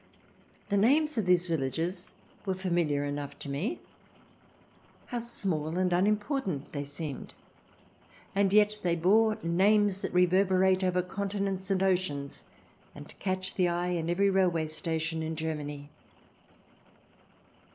The names of these villages were familiar enough to me. How small and unimportant they seemed ! And yet they bore names that reverberate over continents and oceans, and catch the eye in every railway station in Germany.